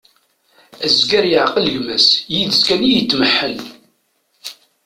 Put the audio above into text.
Azger yeεqel gma-s, yid-s kan i itmeḥḥen.